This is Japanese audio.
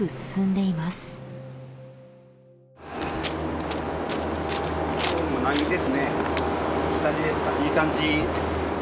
いい感じ。